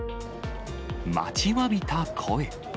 待ちわびた声。